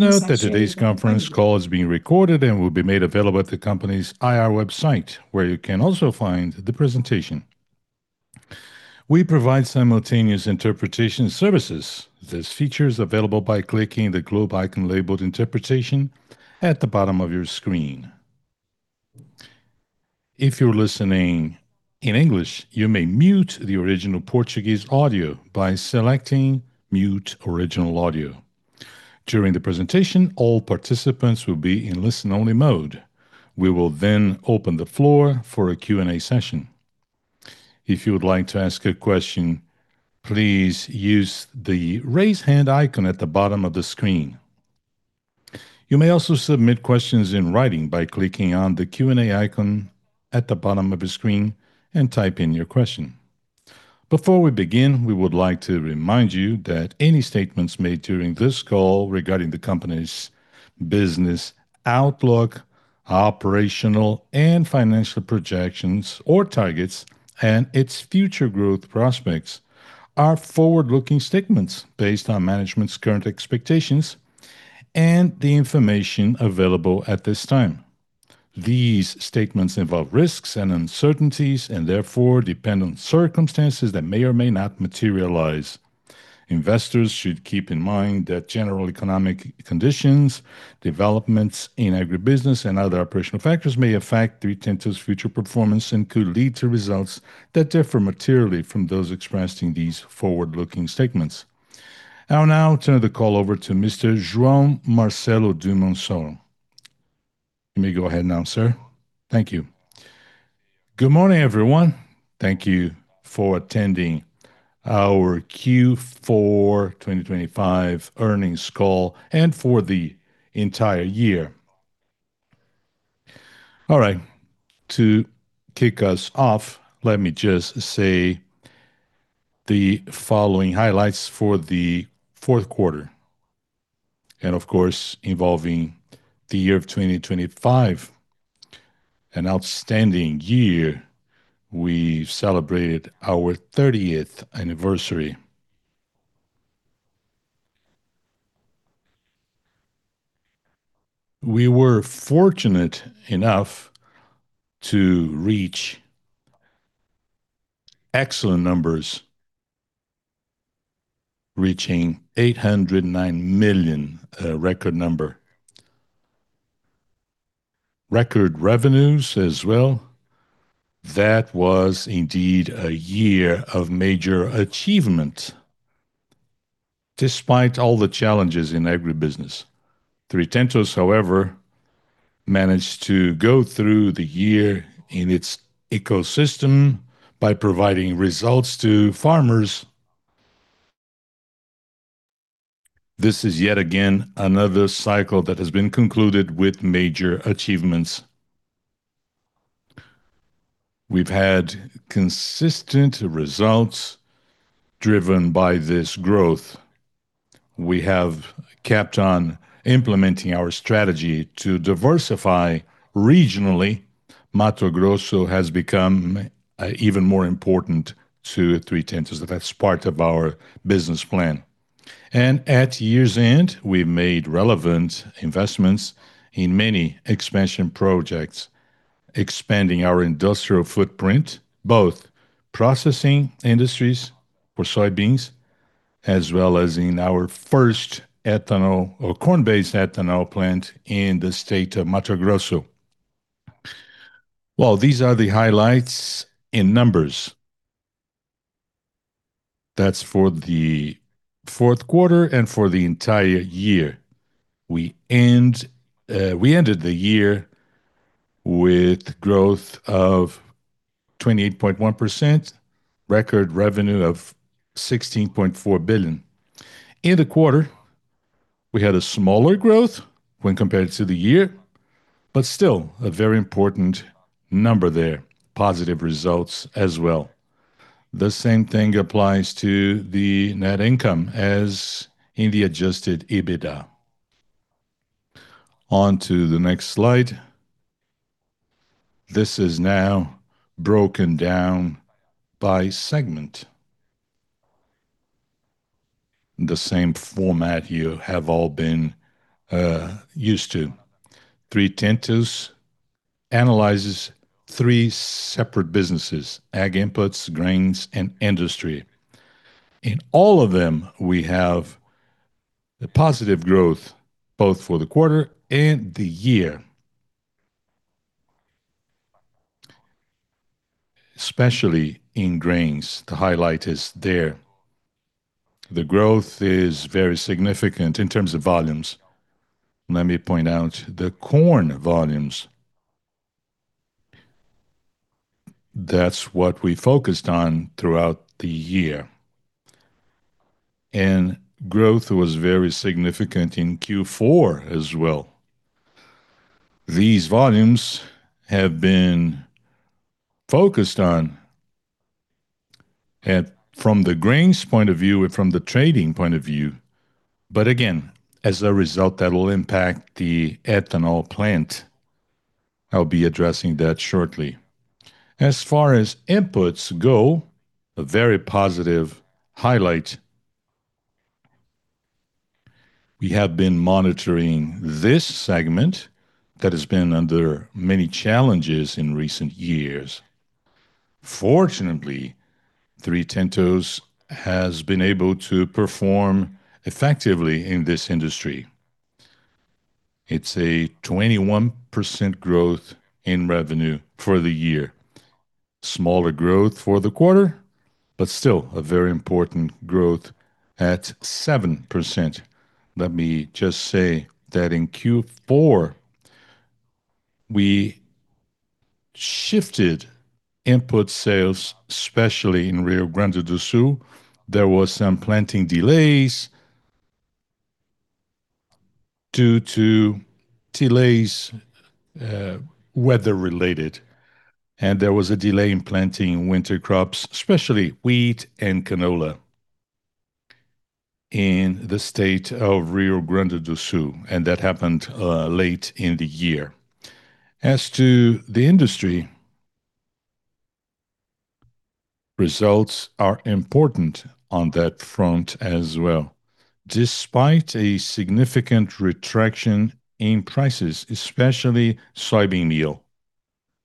Note that today's conference call is being recorded and will be made available at the company's IR website, where you can also find the presentation. We provide simultaneous interpretation services. This feature is available by clicking the globe icon labeled Interpretation at the bottom of your screen. If you're listening in English, you may mute the original Portuguese audio by selecting Mute Original Audio. During the presentation, all participants will be in listen-only mode. We will then open the floor for a Q&A session. If you would like to ask a question, please use the raise hand icon at the bottom of the screen. You may also submit questions in writing by clicking on the Q&A icon at the bottom of the screen and type in your question. Before we begin, we would like to remind you that any statements made during this call regarding the company's business outlook, operational and financial projections or targets, and its future growth prospects are forward-looking statements based on management's current expectations and the information available at this time. These statements involve risks and uncertainties and therefore depend on circumstances that may or may not materialize. Investors should keep in mind that general economic conditions, developments in agribusiness, and other operational factors may affect Três Tentos' future performance and could lead to results that differ materially from those expressed in these forward-looking statements. I will now turn the call over to Mr. João Marcelo Dumoncel. You may go ahead now, sir. Thank you. Good morning, everyone. Thank you for attending our Q4 2025 earnings call and for the entire year. All right. To kick us off, let me just say the following highlights for the fourth quarter and, of course, involving the year of 2025, an outstanding year. We celebrated our 30th anniversary. We were fortunate enough to reach excellent numbers, reaching 809 million, a record number. Record revenues as well. That was indeed a year of major achievement despite all the challenges in agribusiness. Três Tentos, however, managed to go through the year in its ecosystem by providing results to farmers. This is yet again another cycle that has been concluded with major achievements. We've had consistent results driven by this growth. We have kept on implementing our strategy to diversify regionally. Mato Grosso has become even more important to Três Tentos. That's part of our business plan. At year's end, we made relevant investments in many expansion projects, expanding our industrial footprint, both processing industries for soybeans as well as in our first ethanol or corn-based ethanol plant in the state of Mato Grosso. Well, these are the highlights in numbers. That's for the fourth quarter and for the entire year. We ended the year with growth of 28.1%, record revenue of 16.4 billion. In the quarter, we had a smaller growth when compared to the year, still a very important number there. Positive results as well. The same thing applies to the net income as in the adjusted EBITDA. On to the next slide. This is now broken down by segment. The same format you have all been used to. Três Tentos analyzes three separate businesses: ag inputs, grains, and industry. In all of them, we have a positive growth both for the quarter and the year. Especially in grains, the highlight is there. The growth is very significant in terms of volumes. Let me point out the corn volumes. That's what we focused on throughout the year, and growth was very significant in Q4 as well. These volumes have been focused on and from the grains point of view and from the trading point of view, but again, as a result that will impact the ethanol plant. I'll be addressing that shortly. As far as inputs go, a very positive highlight. We have been monitoring this segment that has been under many challenges in recent years. Fortunately, Três Tentos has been able to perform effectively in this industry. It's a 21% growth in revenue for the year. Smaller growth for the quarter, but still a very important growth at 7%. Let me just say that in Q4, we shifted input sales, especially in Rio Grande do Sul. There was some planting delays due to delays, weather-related, and there was a delay in planting winter crops, especially wheat and canola in the state of Rio Grande do Sul, and that happened late in the year. As to the industry, results are important on that front as well. Despite a significant retraction in prices, especially soybean meal,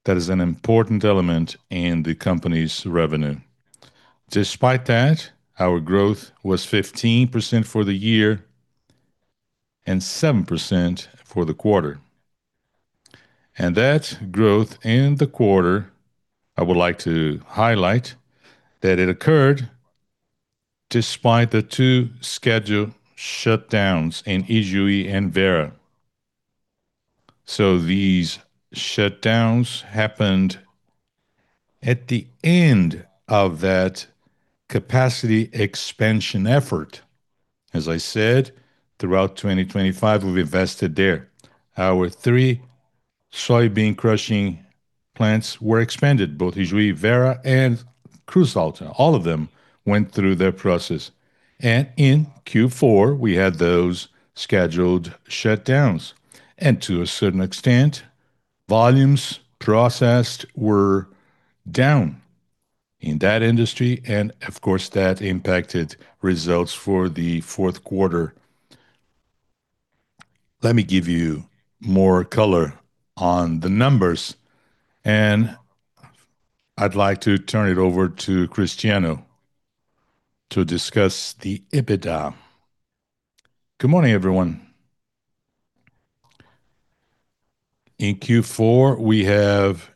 that is an important element in the company's revenue. Despite that, our growth was 15% for the year and 7% for the quarter. That growth in the quarter, I would like to highlight that it occurred despite the two scheduled shutdowns in Ijuí and Vera. These shutdowns happened at the end of that capacity expansion effort. As I said, throughout 2025 we invested there. Our three soybean crushing plants were expanded, both Ijuí, Vera, and Cruz Alta. All of them went through that process. In Q4, we had those scheduled shutdowns. To a certain extent, volumes processed were down in that industry, and of course, that impacted results for the fourth quarter. Let me give you more color on the numbers, and I'd like to turn it over to Cristiano to discuss the EBITDA. Good morning, everyone. In Q4, we have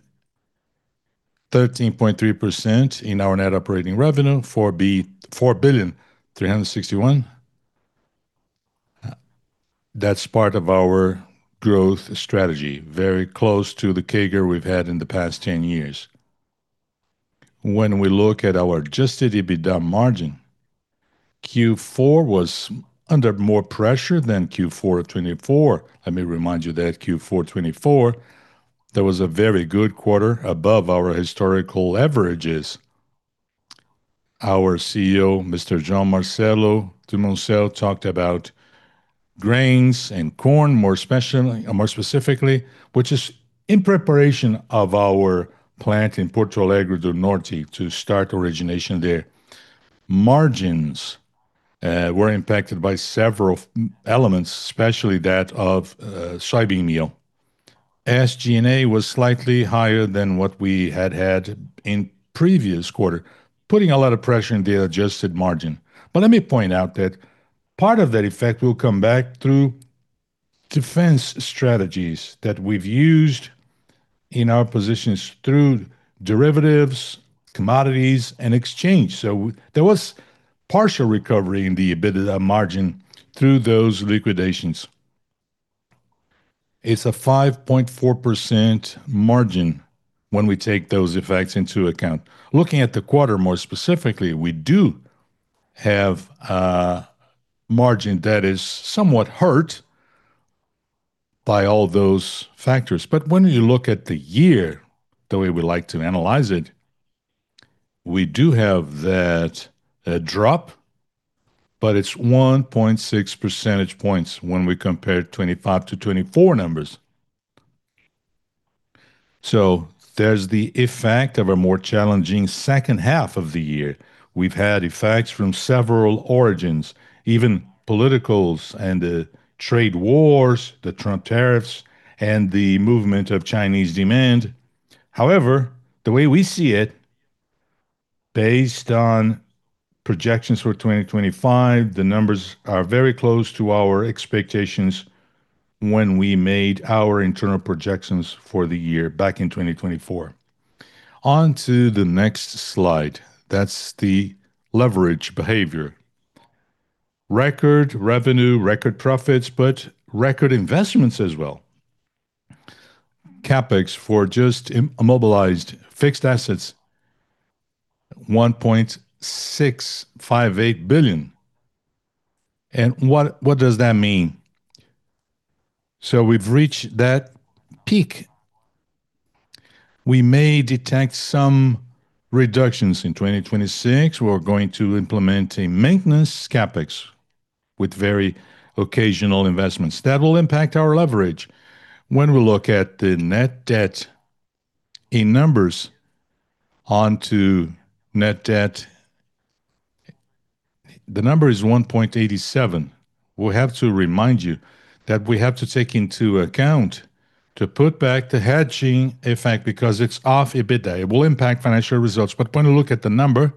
13.3% in our net operating revenue, 4.361 billion. That's part of our growth strategy, very close to the CAGR we've had in the past 10 years. When we look at our adjusted EBITDA margin, Q4 was under more pressure than Q4 2024. Let me remind you that Q4 2024, that was a very good quarter above our historical averages. Our CEO, Mr. João Marcelo Dumoncel, talked about grains and corn, more specifically, which is in preparation of our plant in Porto Alegre do Norte to start origination there. Margins were impacted by several elements, especially that of soybean meal. SG&A was slightly higher than what we had in previous quarter, putting a lot of pressure in the adjusted margin. Let me point out that part of that effect will come back through defense strategies that we've used in our positions through derivatives, commodities, and exchange. There was partial recovery in the EBITDA margin through those liquidations. It's a 5.4% margin when we take those effects into account. Looking at the quarter more specifically, we do have a margin that is somewhat hurt by all those factors. When you look at the year, the way we like to analyze it, we do have that drop, but it's 1.6 percentage points when we compare 2025 to 2024 numbers. There's the effect of a more challenging second half of the year. We've had effects from several origins, even political and trade wars, the Trump tariffs, and the movement of Chinese demand. However, the way we see it, based on projections for 2025, the numbers are very close to our expectations when we made our internal projections for the year back in 2024. On to the next slide. That's the leverage behavior. Record revenue, record profits, record investments as well. CapEx for just immobilized fixed assets, BRL 1.658 billion. What does that mean? We've reached that peak. We may detect some reductions in 2026. We're going to implement a maintenance CapEx with very occasional investments. That will impact our leverage when we look at the net debt in numbers onto net debt. The number is 1.87x. We have to remind you that we have to take into account to put back the hedging effect because it's off EBITDA. It will impact financial results. When you look at the number,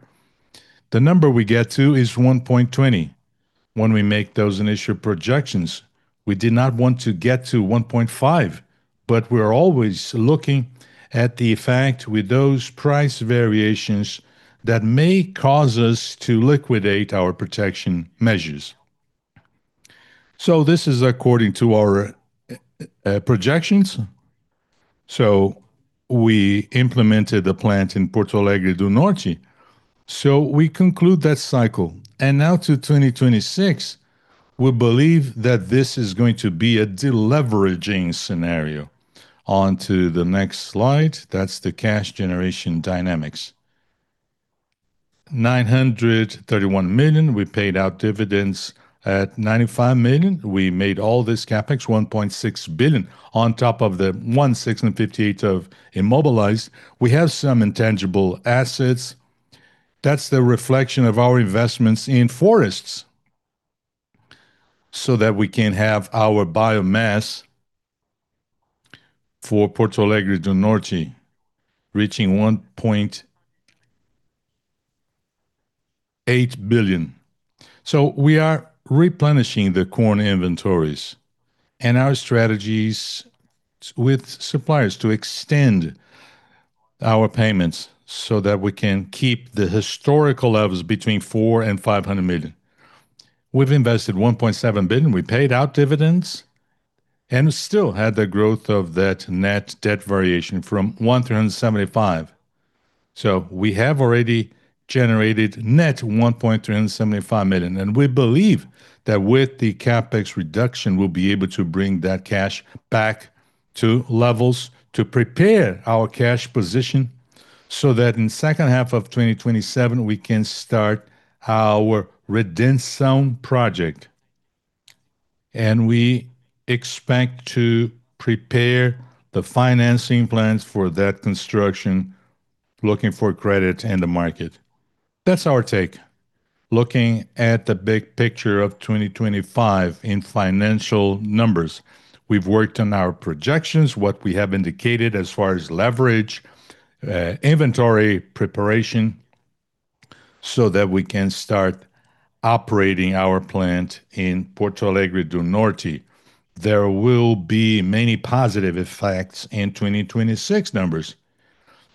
the number we get to is 1.20x when we make those initial projections. We did not want to get to 1.5x, but we're always looking at the effect with those price variations that may cause us to liquidate our protection measures. This is according to our projections. We implemented a plant in Porto Alegre do Norte. We conclude that cycle. Now to 2026, we believe that this is going to be a deleveraging scenario. On to the next slide. That's the cash generation dynamics. 931 million, we paid out dividends at 95 million. We made all this CapEx 1.6 billion on top of the 1.6 billion and 58 million of immobilized. We have some intangible assets. That's the reflection of our investments in forests so that we can have our biomass for Porto Alegre do Norte reaching 1.8 billion. We are replenishing the corn inventories and our strategies with suppliers to extend our payments so that we can keep the historical levels between 400 million and 500 million. We've invested 1.7 billion. We paid out dividends and still had the growth of that net debt variation from 1,375 million. We have already generated net 1,375 million, and we believe that with the CapEx reduction, we'll be able to bring that cash back to levels to prepare our cash position so that in second half of 2027 we can start our redemption project. We expect to prepare the financing plans for that construction, looking for credit in the market. That's our take. Looking at the big picture of 2025 in financial numbers, we've worked on our projections, what we have indicated as far as leverage, inventory preparation, so that we can start operating our plant in Porto Alegre do Norte. There will be many positive effects in 2026 numbers.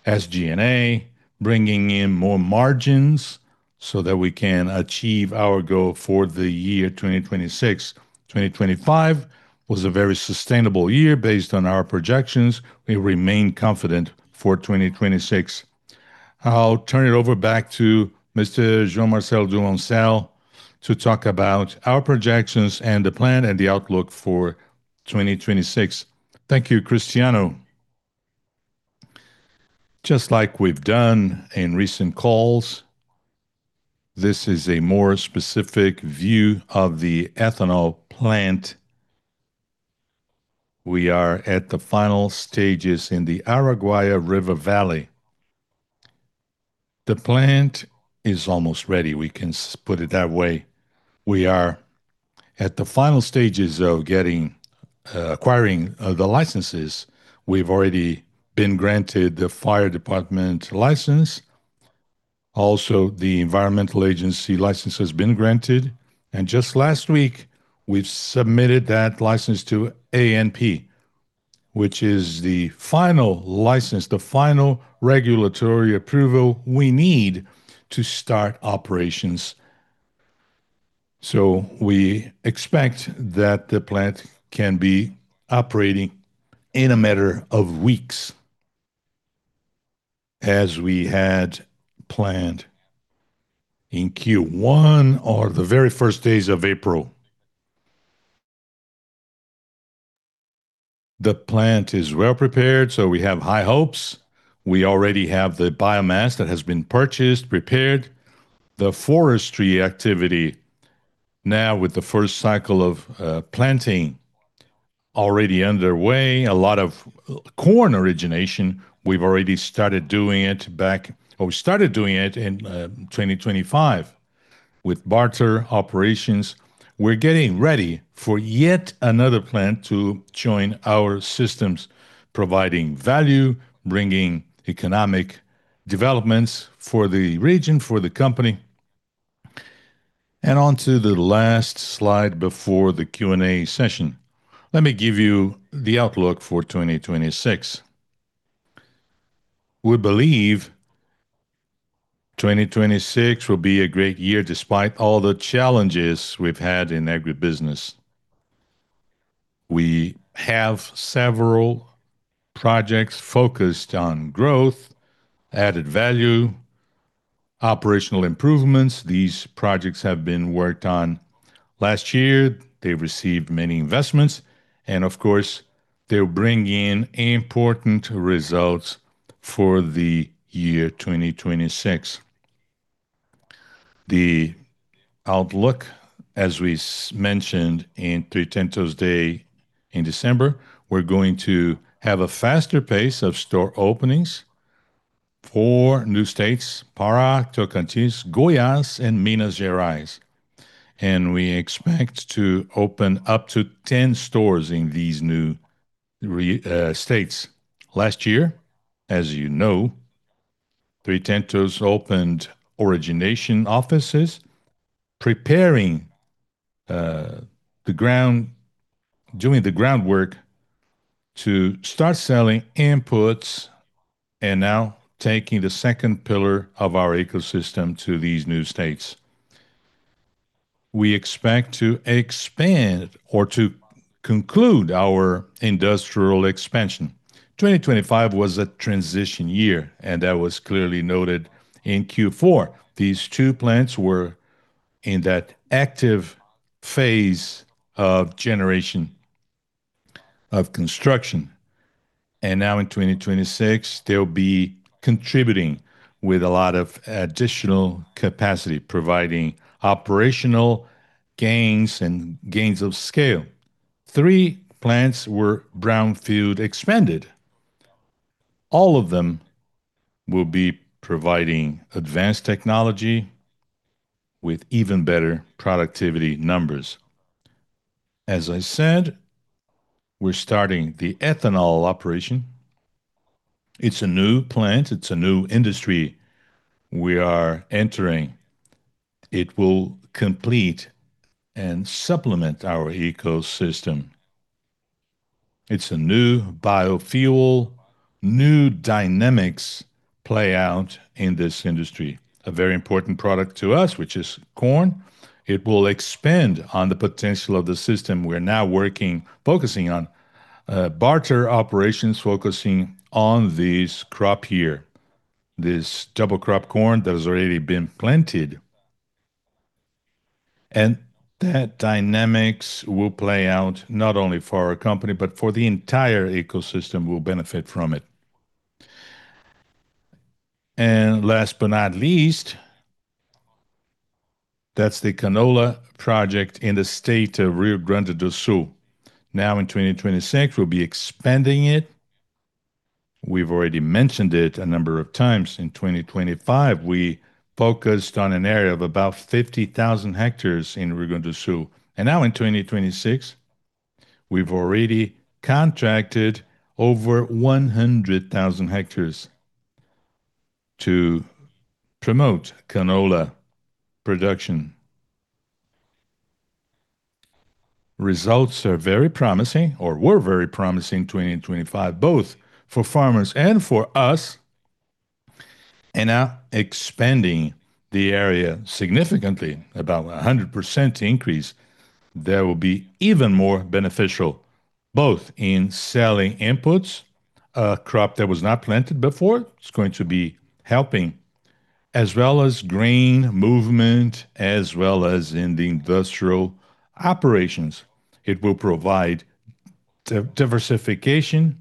SG&A bringing in more margins so that we can achieve our goal for the year 2026. 2025 was a very sustainable year based on our projections. We remain confident for 2026. I'll turn it over back to Mr. João Marcelo Dumoncel to talk about our projections and the plan and the outlook for 2026. Thank you, Cristiano. Just like we've done in recent calls, this is a more specific view of the ethanol plant. We are at the final stages in the Araguaia River Valley. The plant is almost ready. We can put it that way. We are at the final stages of getting acquiring the licenses. We've already been granted the fire department license. The environmental agency license has been granted. Just last week, we've submitted that license to ANP, which is the final license, the final regulatory approval we need to start operations. We expect that the plant can be operating in a matter of weeks as we had planned in Q1 or the very first days of April. The plant is well-prepared. We have high hopes. We already have the biomass that has been purchased, prepared, the forestry activity now with the first cycle of planting already underway. A lot of corn origination, we've already started doing it in 2025 with barter operations. We're getting ready for yet another plant to join our systems, providing value, bringing economic developments for the region, for the company. On to the last slide before the Q&A session. Let me give you the outlook for 2026. We believe 2026 will be a great year despite all the challenges we've had in agribusiness. We have several projects focused on growth, added value operational improvements. These projects have been worked on last year. They received many investments, and of course they're bringing in important results for the year 2026. The outlook, as we mentioned in 3tentos Day in December, we're going to have a faster pace of store openings, four new states, Pará, Tocantins, Goiás and Minas Gerais. We expect to open up to 10 stores in these new states. Last year, as you know, Três Tentos opened origination offices preparing doing the groundwork to start selling inputs and now taking the second pillar of our ecosystem to these new states. We expect to expand or to conclude our industrial expansion. 2025 was a transition year, and that was clearly noted in Q4. These two plants were in that active phase of generation of construction. Now in 2026 they'll be contributing with a lot of additional capacity, providing operational gains and gains of scale. Three plants were brownfield expanded. All of them will be providing advanced technology with even better productivity numbers. As I said, we're starting the ethanol operation. It's a new plant. It's a new industry we are entering. It will complete and supplement our ecosystem. It's a new biofuel. New dynamics play out in this industry. A very important product to us, which is corn, it will expand on the potential of the system. We're now working, focusing on barter operations, focusing on this crop here, this double crop corn that has already been planted. That dynamics will play out not only for our company, but for the entire ecosystem will benefit from it. Last but not least, that's the canola project in the state of Rio Grande do Sul. In 2026 we'll be expanding it. We've already mentioned it a number of times. In 2025, we focused on an area of about 50,000 hectares in Rio Grande do Sul, and now in 2026, we've already contracted over 100,000 hectares to promote canola production. Results are very promising or were very promising 2025, both for farmers and for us, and now expanding the area significantly, about a 100% increase. That will be even more beneficial both in selling inputs, a crop that was not planted before, it's going to be helping, as well as grain movement, as well as in the industrial operations. It will provide diversification.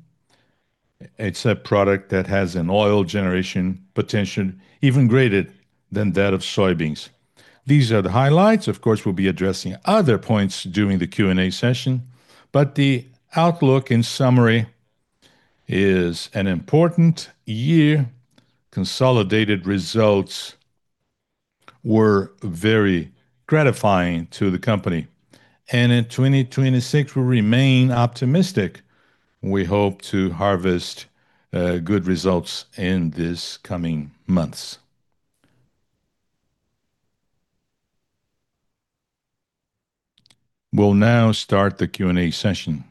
It's a product that has an oil generation potential even greater than that of soybeans. These are the highlights. Of course, we'll be addressing other points during the Q&A session. The outlook in summary is an important year. Consolidated results were very gratifying to the company. In 2026 we'll remain optimistic. We hope to harvest good results in these coming months. We'll now start the Q&A session.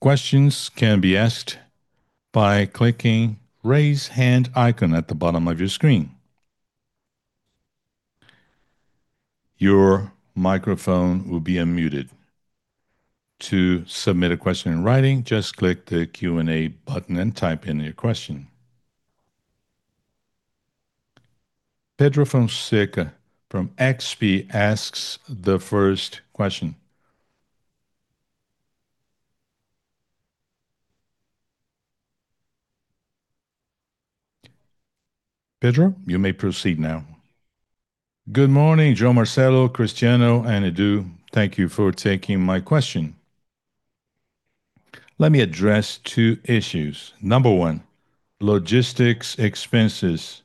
Questions can be asked by clicking raise hand icon at the bottom of your screen. Your microphone will be unmuted. To submit a question in writing, just click the Q&A button and type in your question. Pedro Fonseca from XP asks the first question. Pedro, you may proceed now. Good morning, João Marcelo, Cristiano and Edu. Thank you for taking my question. Let me address two issues. Number one, logistics expenses.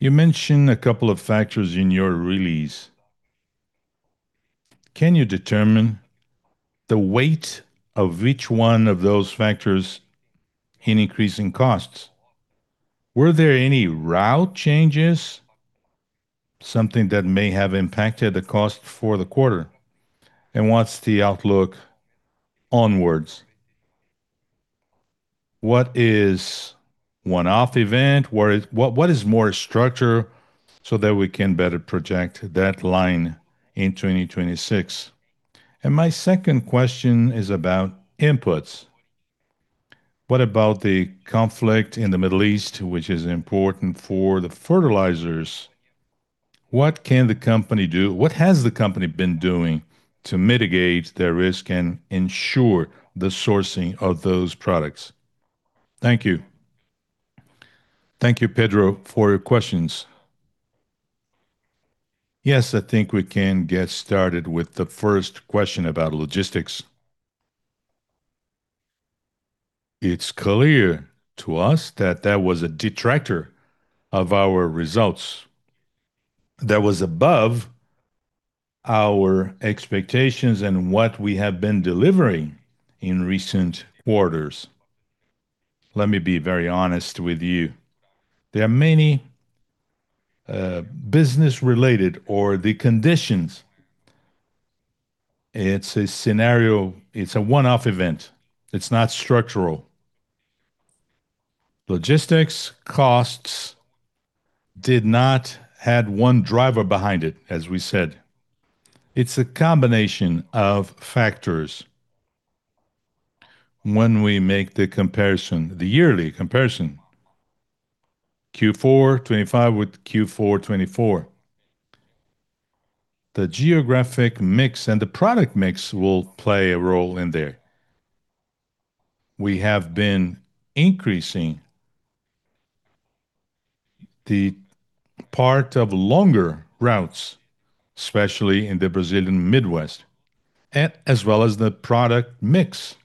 You mentioned a couple of factors in your release. Can you determine the weight of which one of those factors in increasing costs? Were there any route changes, something that may have impacted the cost for the quarter? What's the outlook onwards? What is one-off event? What is more structure so that we can better project that line in 2026? My second question is about inputs. What about the conflict in the Middle East, which is important for the fertilizers? What can the company do? What has the company been doing to mitigate their risk and ensure the sourcing of those products? Thank you. Thank you, Pedro, for your questions. Yes, I think we can get started with the first question about logistics. It's clear to us that was a detractor of our results. That was above our expectations and what we have been delivering in recent quarters. Let me be very honest with you. There are many business related or the conditions. It's a one-off event. It's not structural. Logistics costs did not had one driver behind it, as we said. It's a combination of factors when we make the comparison, the yearly comparison, Q4 2025 with Q4 2024. The geographic mix and the product mix will play a role in there. We have been increasing the part of longer routes, especially in the Brazilian Midwest, as well as the product mix.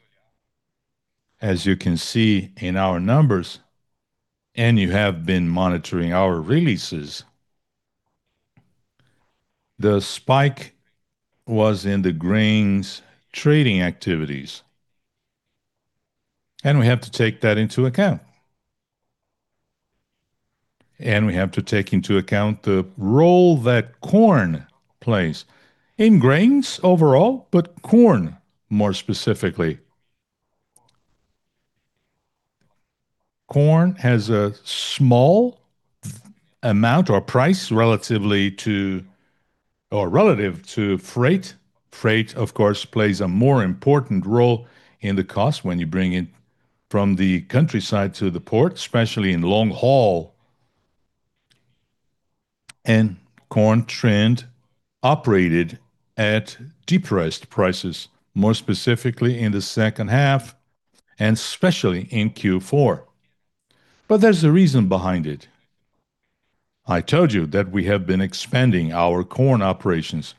As you can see in our numbers, and you have been monitoring our releases, the spike was in the grains trading activities, and we have to take that into account. We have to take into account the role that corn plays in grains overall, but corn more specifically. Corn has a small amount or price relative to freight. Freight, of course, plays a more important role in the cost when you bring it from the countryside to the port, especially in long haul. Corn trend operated at depressed prices, more specifically in the second half and especially in Q4. There's a reason behind it. I told you that we have been expanding our corn operations.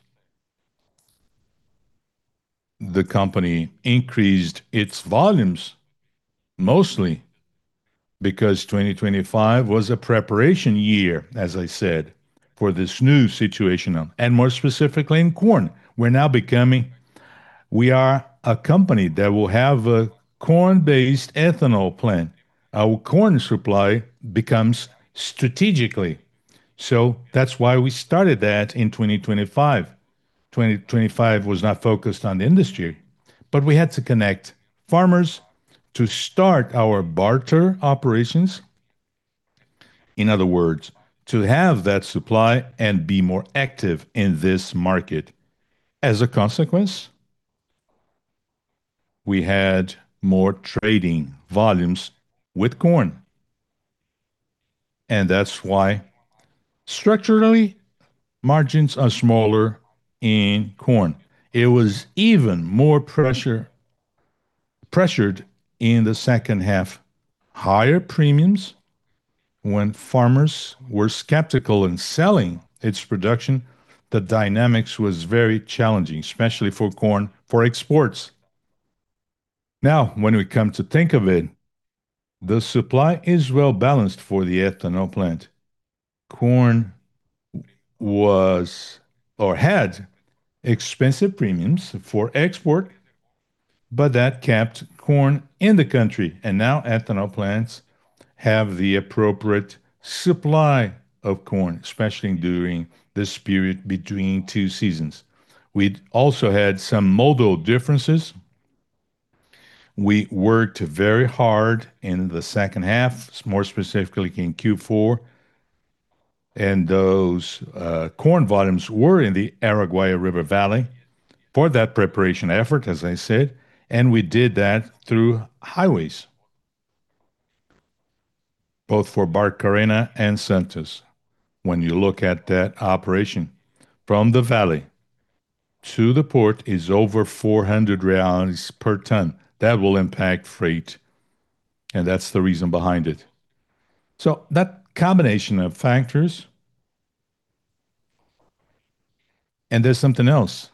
The company increased its volumes mostly because 2025 was a preparation year, as I said, for this new situation, and more specifically in corn. We are a company that will have a corn-based ethanol plant. Our corn supply becomes strategically. That's why we started that in 2025. 2025 was not focused on the industry, but we had to connect farmers to start our barter operations. In other words, to have that supply and be more active in this market. As a consequence, we had more trading volumes with corn. That's why structurally, margins are smaller in corn. It was even more pressured in the second half. Higher premiums when farmers were skeptical in selling its production, the dynamics was very challenging, especially for corn, for exports. When we come to think of it, the supply is well-balanced for the ethanol plant. Corn was or had expensive premiums for export, but that kept corn in the country. Now ethanol plants have the appropriate supply of corn, especially during this period between two seasons. We also had some modal differences. We worked very hard in the second half, more specifically in Q4, and those corn volumes were in the Araguaia River Valley for that preparation effort, as I said, and we did that through highways, both for Barcarena and Santos. When you look at that operation from the valley to the port is over 400 reais per ton. That will impact freight, that's the reason behind it. That combination of factors. There's something else.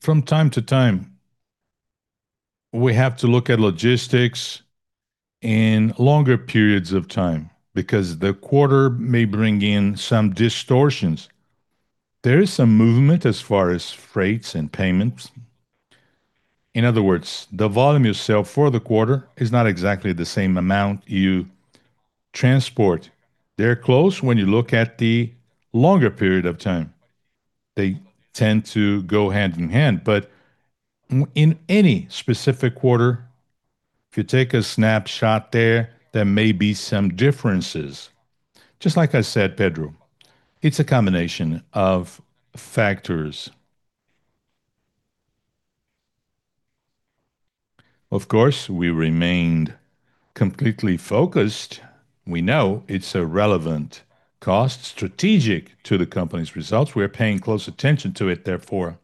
From time to time, we have to look at logistics in longer periods of time because the quarter may bring in some distortions. There is some movement as far as freights and payments. In other words, the volume you sell for the quarter is not exactly the same amount you transport. They're close when you look at the longer period of time. They tend to go hand in hand. In any specific quarter. If you take a snapshot there may be some differences. Just like I said, Pedro, it's a combination of factors. Of course, we remained completely focused. We know it's a relevant cost strategic to the company's results. We are paying close attention to it, therefore.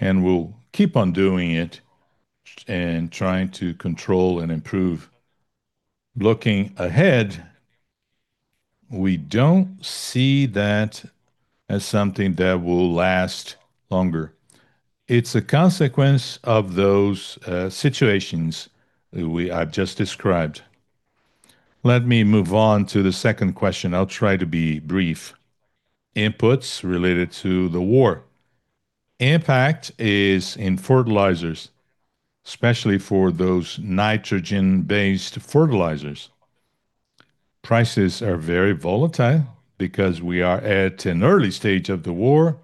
We'll keep on doing it and trying to control and improve. Looking ahead, we don't see that as something that will last longer. It's a consequence of those situations I've just described. Let me move on to the second question. I'll try to be brief. Inputs related to the war. Impact is in fertilizers, especially for those nitrogen-based fertilizers. Prices are very volatile because we are at an early stage of the war.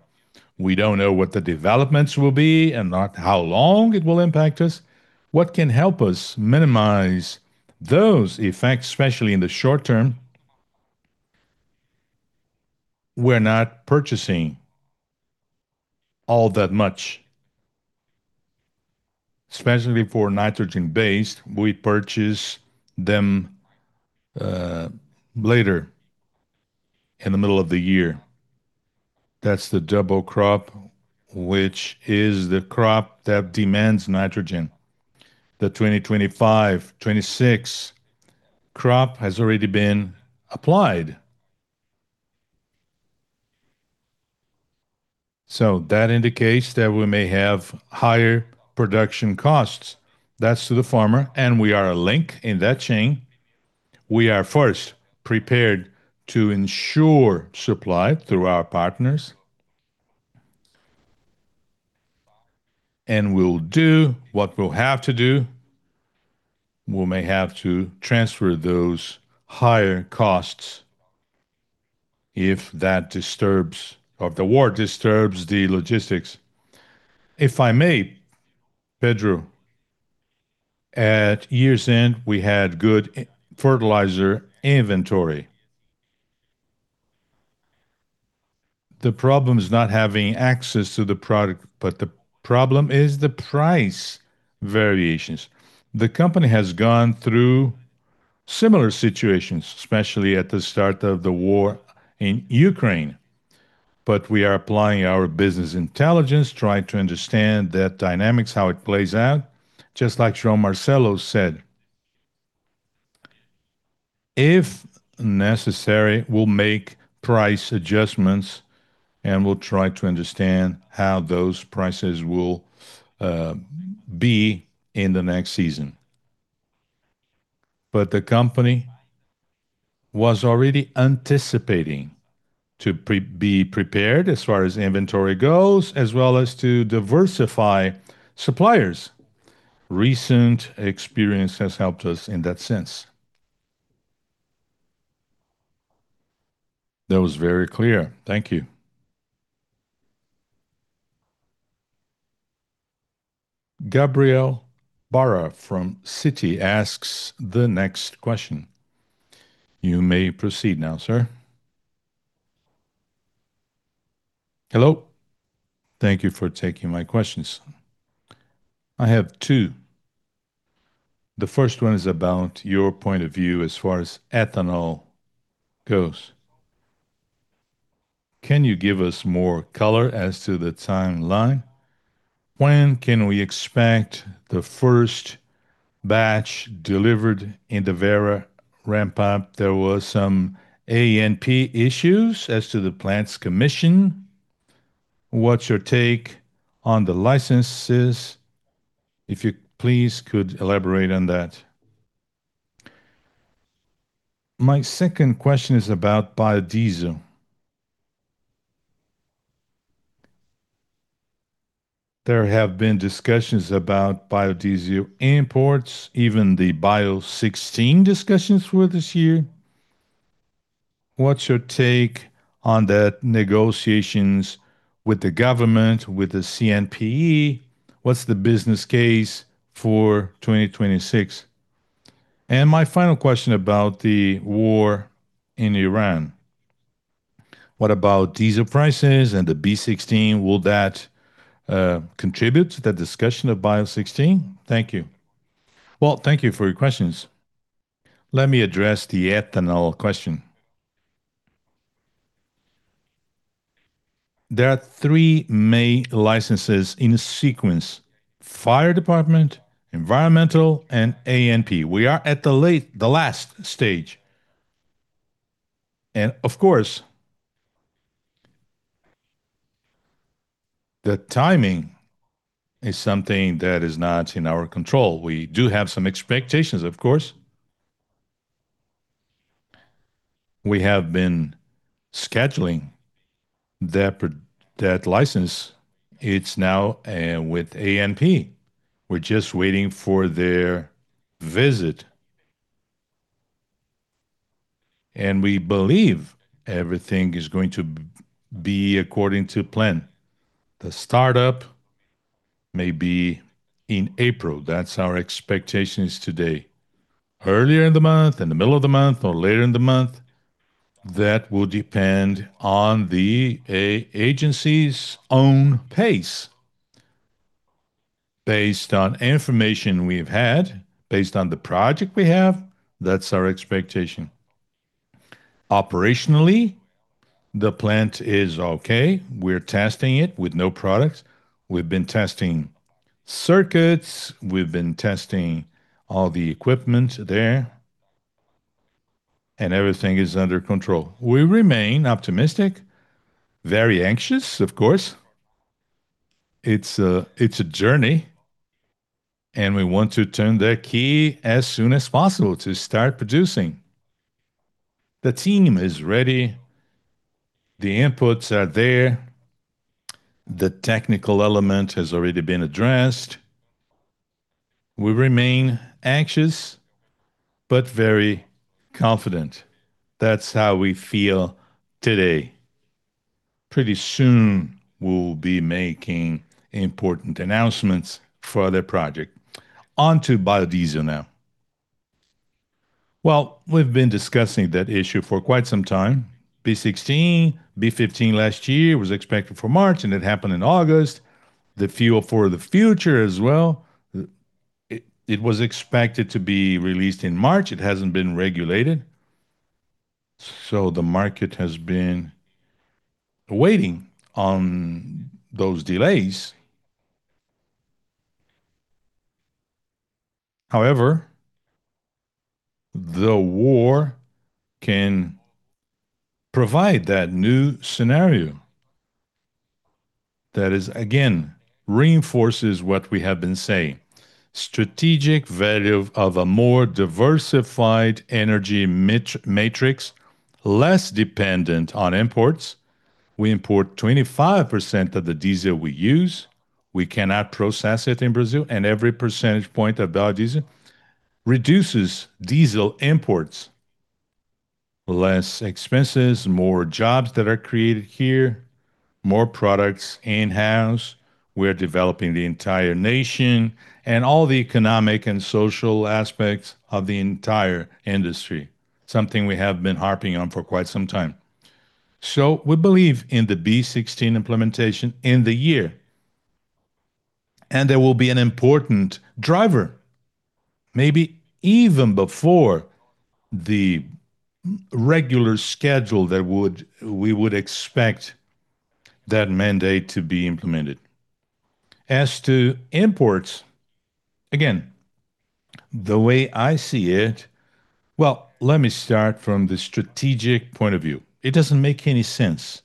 We don't know what the developments will be and not how long it will impact us. What can help us minimize those effects, especially in the short term, we're not purchasing all that much. Especially for nitrogen-based, we purchase them later in the middle of the year. That's the double crop, which is the crop that demands nitrogen. The 2025, 2026 crop has already been applied. That indicates that we may have higher production costs. That's to the farmer, and we are a link in that chain. We are first prepared to ensure supply through our partners. We'll do what we'll have to do. We may have to transfer those higher costs if the war disturbs the logistics. If I may, Pedro, at year's end, we had good fertilizer inventory. The problem is not having access to the product, but the problem is the price variations. The company has gone through similar situations, especially at the start of the war in Ukraine. We are applying our business intelligence, trying to understand that dynamics, how it plays out, just like João Marcelo said. If necessary, we'll make price adjustments, we'll try to understand how those prices will be in the next season. The company was already anticipating to be prepared as far as inventory goes, as well as to diversify suppliers. Recent experience has helped us in that sense. That was very clear. Thank you. Gabriel Barra from Citi asks the next question. You may proceed now, sir. Hello. Thank you for taking my questions. I have two. The first one is about your point of view as far as ethanol goes. Can you give us more color as to the timeline? When can we expect the first batch delivered in the Vera ramp-up? There was some ANP issues as to the plants commission. What's your take on the licenses? If you please could elaborate on that. My second question is about biodiesel. There have been discussions about biodiesel imports, even the Bio 16 discussions for this year. What's your take on the negotiations with the government, with the CNPE? What's the business case for 2026? My final question about the war in Iran. What about diesel prices and the B16? Will that contribute to the discussion of Bio 16? Thank you. Well, thank you for your questions. Let me address the ethanol question. There are three main licenses in sequence: fire department, environmental, and ANP. We are at the last stage. Of course, the timing is something that is not in our control. We do have some expectations, of course. We have been scheduling that license. It's now with ANP. We're just waiting for their visit. And we believe everything is going to be according to plan. The startup may be in April. That's our expectations today. Earlier in the month, in the middle of the month, or later in the month, that will depend on the agency's own pace. Based on information we've had, based on the project we have, that's our expectation. Operationally, the plant is okay. We're testing it with no products. We've been testing circuits, we've been testing all the equipment there, and everything is under control. We remain optimistic, very anxious, of course. It's a journey, and we want to turn the key as soon as possible to start producing. The team is ready. The inputs are there. The technical element has already been addressed. We remain anxious but very confident. That's how we feel today. Pretty soon we'll be making important announcements for the project. On to biodiesel now. Well, we've been discussing that issue for quite some time. B16, B15 last year was expected for March and it happened in August. The Fuel for the Future as well, it was expected to be released in March. It hasn't been regulated, the market has been waiting on those delays. The war can provide that new scenario that is again reinforces what we have been saying, strategic value of a more diversified energy matrix, less dependent on imports. We import 25% of the diesel we use. We cannot process it in Brazil, every percentage point of biodiesel reduces diesel imports. Less expenses, more jobs that are created here, more products in-house. We're developing the entire nation and all the economic and social aspects of the entire industry, something we have been harping on for quite some time. We believe in the B16 implementation in the year. There will be an important driver, maybe even before the regular schedule that we would expect that mandate to be implemented. As to imports, again, the way I see it. Well, let me start from the strategic point of view. It doesn't make any sense.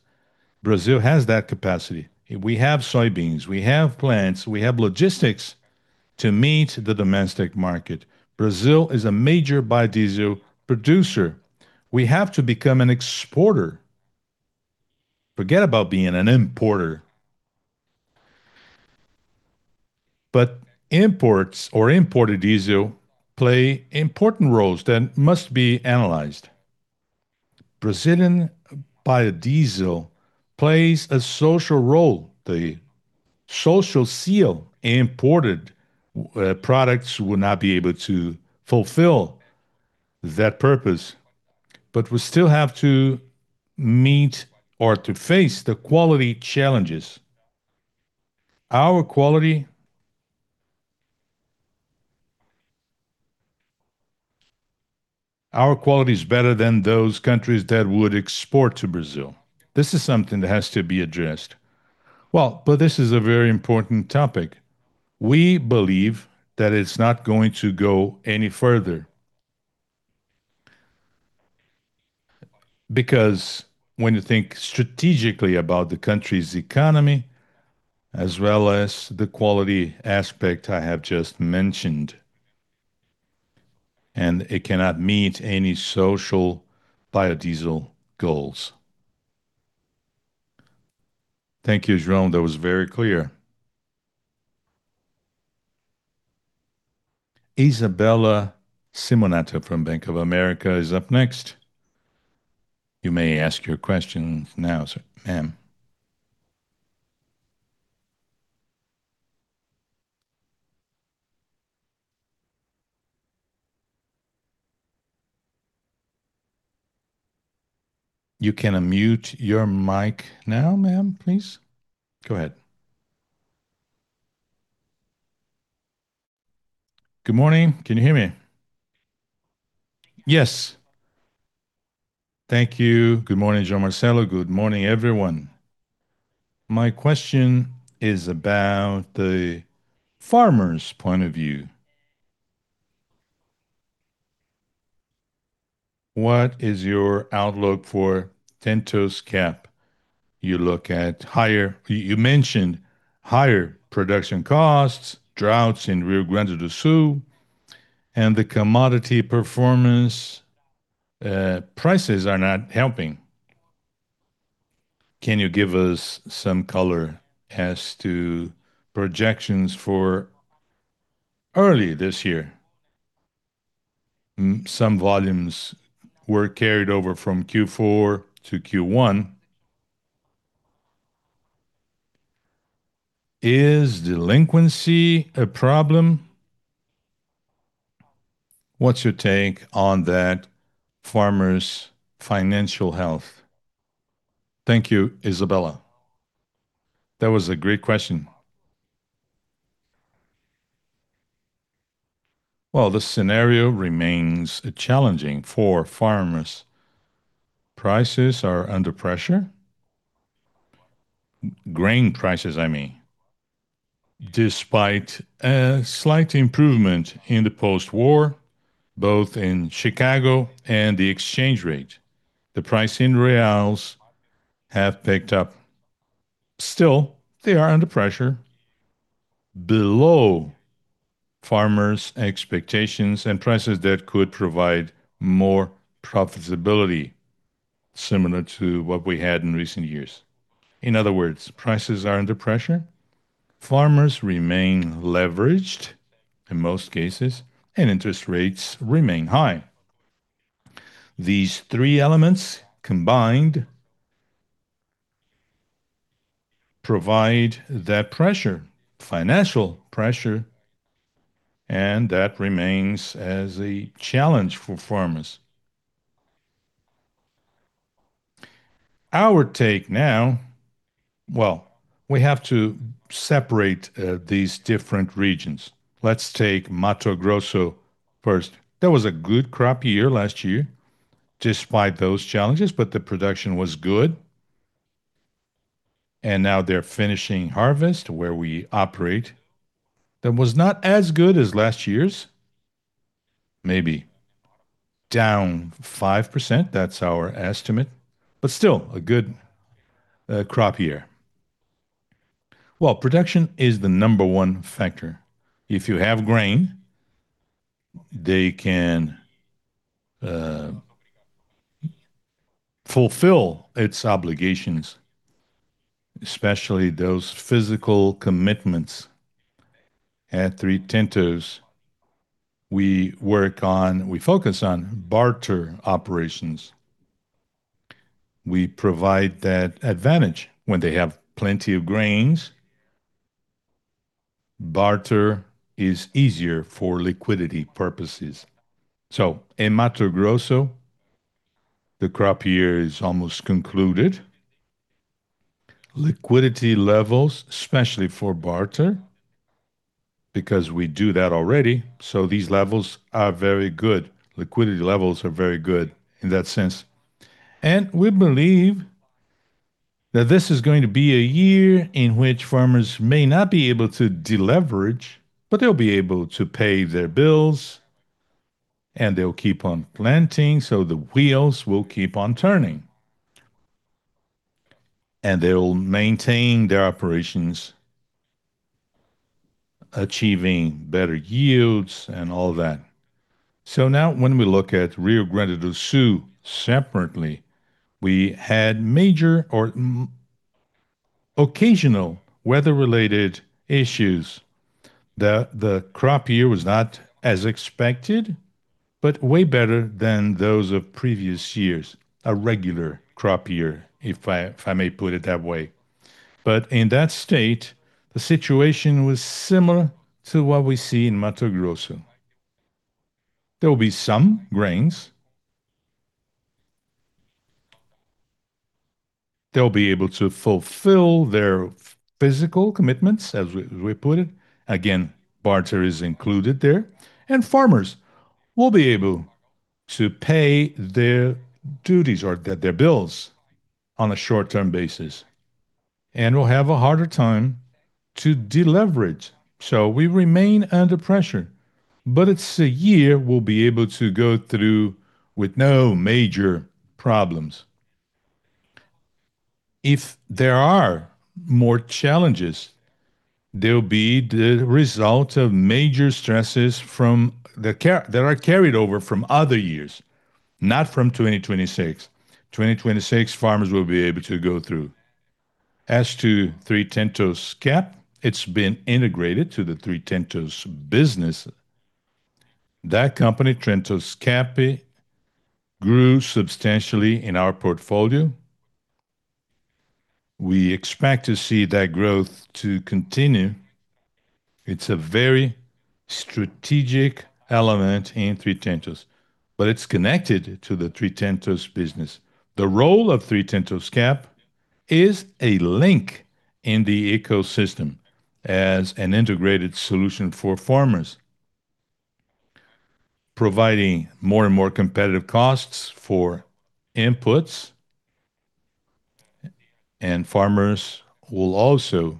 Brazil has that capacity. We have soybeans, we have plants, we have logistics to meet the domestic market. Brazil is a major biodiesel producer. We have to become an exporter. Forget about being an importer. Imports or imported diesel play important roles that must be analyzed. Brazilian biodiesel plays a social role. The Social Seal imported products will not be able to fulfill that purpose. We still have to meet or to face the quality challenges. Our quality is better than those countries that would export to Brazil. This is something that has to be addressed. This is a very important topic. We believe that it's not going to go any further. When you think strategically about the country's economy, as well as the quality aspect I have just mentioned, and it cannot meet any social biodiesel goals. Thank you, João. That was very clear. Isabella Simonato from Bank of America is up next. You may ask your questions now, ma'am. You can unmute your mic now, ma'am, please. Go ahead. Good morning. Can you hear me? Yes. \Thank you. Good morning, João Marcelo. Good morning, everyone. My question is about the farmer's point of view. What is your outlook for TentosCap? You mentioned higher production costs, droughts in Rio Grande do Sul, the commodity performance, prices are not helping. Can you give us some color as to projections for early this year? Some volumes were carried over from Q4 to Q1. Is delinquency a problem? What's your take on that farmer's financial health? Thank you, Isabella. That was a great question. Well, the scenario remains challenging for farmers. Prices are under pressure. Grain prices, I mean. Despite a slight improvement in the post-war, both in Chicago and the exchange rate, the price in reals have picked up. Still, they are under pressure below farmers' expectations and prices that could provide more profitability similar to what we had in recent years. In other words, prices are under pressure, farmers remain leveraged in most cases, and interest rates remain high. These three elements combined provide that pressure, financial pressure, that remains as a challenge for farmers. Our take now, well, we have to separate these different regions. Let's take Mato Grosso first. That was a good crop year last year despite those challenges, the production was good, now they're finishing harvest where we operate. That was not as good as last year's. Maybe down 5%, that's our estimate, still a good crop year. Well, production is the number one factor. If you have grain, they can fulfill its obligations, especially those physical commitments. At Três Tentos, we focus on barter operations. We provide that advantage. When they have plenty of grains, barter is easier for liquidity purposes. In Mato Grosso, the crop year is almost concluded. Liquidity levels, especially for barter, because we do that already, so these levels are very good. Liquidity levels are very good in that sense. We believe that this is going to be a year in which farmers may not be able to deleverage, but they'll be able to pay their bills, and they'll keep on planting, so the wheels will keep on turning. They'll maintain their operations, achieving better yields and all that. Now when we look at Rio Grande do Sul separately, we had major occasional weather-related issues. The crop year was not as expected, but way better than those of previous years. A regular crop year, if I may put it that way. In that state, the situation was similar to what we see in Mato Grosso. There will be some grains. They'll be able to fulfill their physical commitments, as we put it. Barter is included there. Farmers will be able to pay their duties or their bills on a short-term basis and will have a harder time to deleverage. We remain under pressure, but it's a year we'll be able to go through with no major problems. If there are more challenges, they'll be the result of major stresses that are carried over from other years, not from 2026. 2026, farmers will be able to go through. As to TentosCap, it's been integrated to the Três Tentos business. That company, TentosCap, grew substantially in our portfolio. We expect to see that growth to continue. It's a very strategic element in Três Tentos, but it's connected to the Três Tentos business. The role of TentosCap is a link in the ecosystem as an integrated solution for farmers, providing more and more competitive costs for inputs. Farmers will also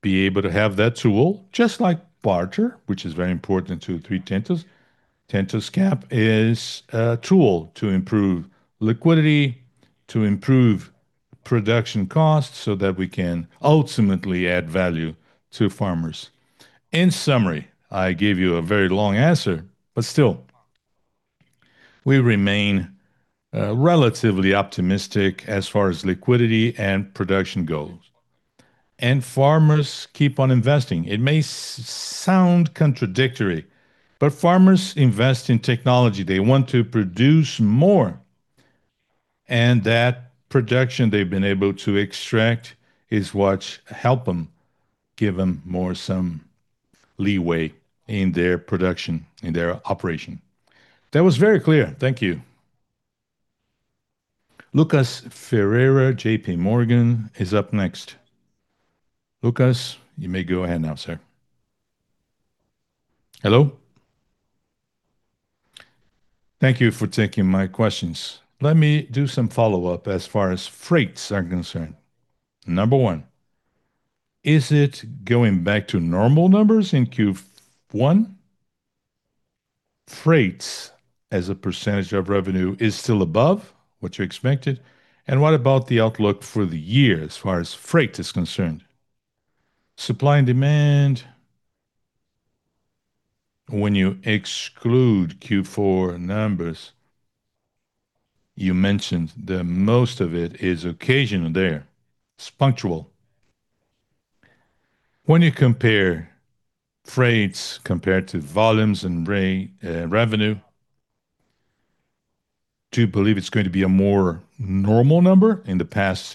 be able to have that tool, just like barter, which is very important to Três Tentos. TentosCap is a tool to improve liquidity, to improve production costs, so that we can ultimately add value to farmers. In summary, I gave you a very long answer, but still. We remain relatively optimistic as far as liquidity and production goes. Farmers keep on investing. It may sound contradictory, but farmers invest in technology. They want to produce more, and that production they've been able to extract is what help them give them more some leeway in their production, in their operation. That was very clear. Thank you. Lucas Ferreira, JPMorgan, is up next. Lucas, you may go ahead now, sir. Hello. Thank you for taking my questions. Let me do some follow-up as far as freights are concerned. Number one, is it going back to normal numbers in Q1? Freights as a percentage of revenue is still above what you expected, what about the outlook for the year as far as freight is concerned? Supply and demand, when you exclude Q4 numbers, you mentioned that most of it is occasional there. It's punctual. When you compare freights compared to volumes and revenue, do you believe it's going to be a more normal number in the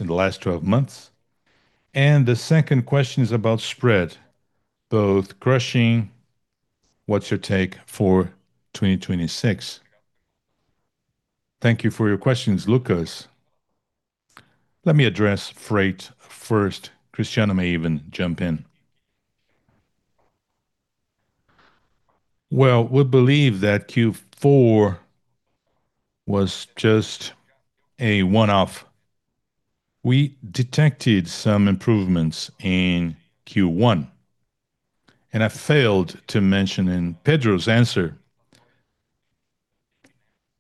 last 12 months? The second question is about spread, both crushing. What's your take for 2026? Thank you for your questions, Lucas. Let me address freight first. Cristiano may even jump in. We believe that Q4 was just a one-off. We detected some improvements in Q1. I failed to mention in Pedro's answer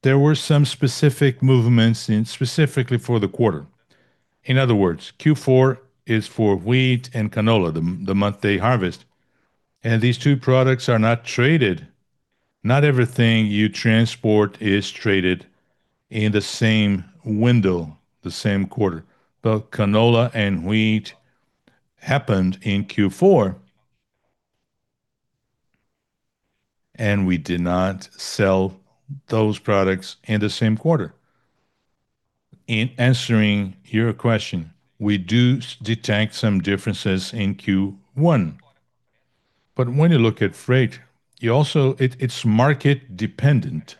there were some specific movements specifically for the quarter. In other words, Q4 is for wheat and canola, the month they harvest. These two products are not traded. Not everything you transport is traded in the same window, the same quarter. Canola and wheat happened in Q4. We did not sell those products in the same quarter. In answering your question, we do detect some differences in Q1. When you look at freight, it's market dependent.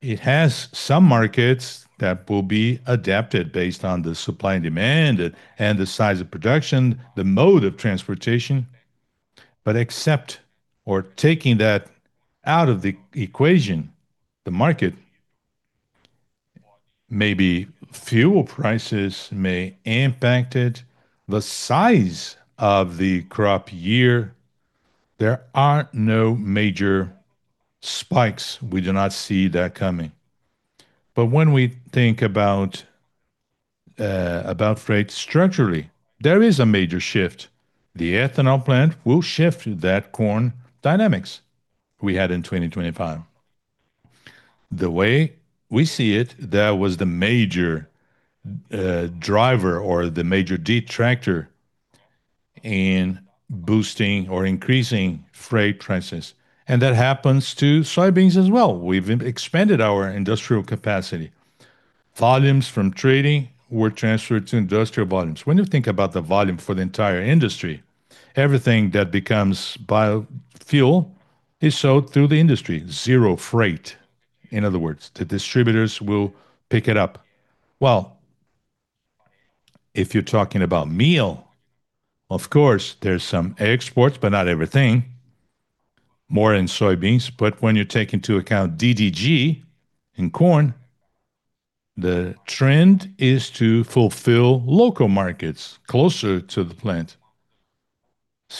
It has some markets that will be adapted based on the supply and demand, the size of production, the mode of transportation. Except for taking that out of the equation, the market, maybe fuel prices may impact it. The size of the crop year, there are no major spikes. We do not see that coming. When we think about freight structurally, there is a major shift. The ethanol plant will shift that corn dynamics we had in 2025. The way we see it, that was the major driver or the major detractor in boosting or increasing freight prices. That happens to soybeans as well. We've expanded our industrial capacity. Volumes from trading were transferred to industrial volumes. When you think about the volume for the entire industry, everything that becomes biofuel is sold through the industry, zero freight. In other words, the distributors will pick it up. If you're talking about meal, of course, there's some exports, but not everything, more in soybeans. When you take into account DDG in corn, the trend is to fulfill local markets closer to the plant.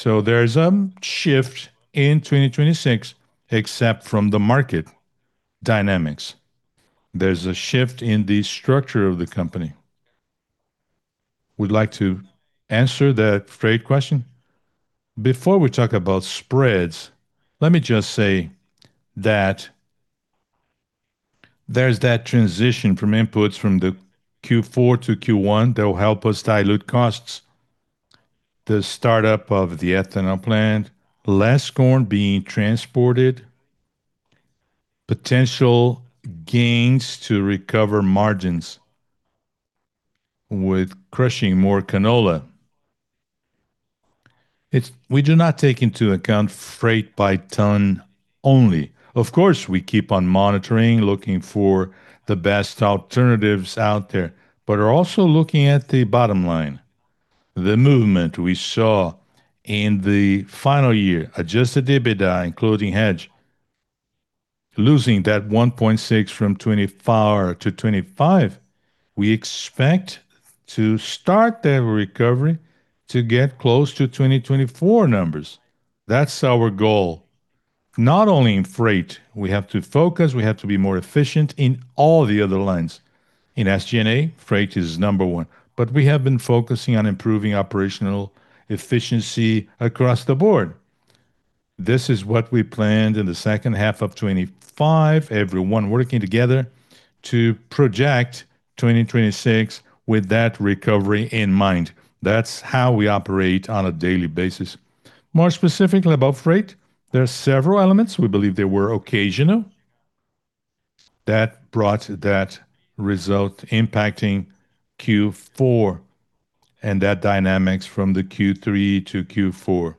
There's a shift in 2026, except from the market dynamics. There's a shift in the structure of the company. Would like to answer that freight question? Before we talk about spreads, let me just say that there's that transition from inputs from the Q4 to Q1 that will help us dilute costs. The startup of the ethanol plant, less corn being transported, potential gains to recover margins with crushing more canola. We do not take into account freight by ton only. Of course, we keep on monitoring, looking for the best alternatives out there, but are also looking at the bottom line. The movement we saw in the final year, adjusted EBITDA, including hedge, losing that 1.6% from 2024 to 2025, we expect to start that recovery to get close to 2024 numbers. That's our goal, not only in freight. We have to focus, we have to be more efficient in all the other lines. In SG&A, freight is number one. We have been focusing on improving operational efficiency across the board. This is what we planned in the second half of 2025, everyone working together to project 2026 with that recovery in mind. That's how we operate on a daily basis. More specifically about freight, there are several elements we believe they were occasional that brought that result impacting Q4 and that dynamics from the Q3 to Q4.